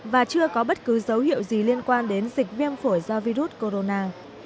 và chưa có bất cứ dấu hiệu gì liên quan đến dịch viêm phổi do virus corona